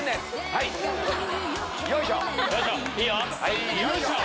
はいよいしょ！